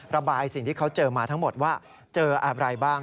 ระบายสิ่งที่เขาเจอมาทั้งหมดว่าเจออะไรบ้าง